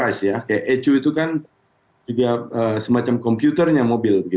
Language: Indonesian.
kayak ecu itu kan juga semacam komputernya mobil